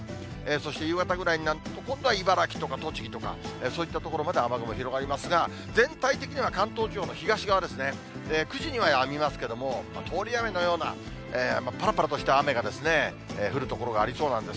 そして夕方ぐらいになると、今度は茨城とか栃木とか、そういった所まで雨雲広がりますが、全体的には関東地方の東側ですね、９時にはやみますけれども、通り雨のような、ぱらぱらとした雨が降る所がありそうなんです。